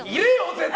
絶対。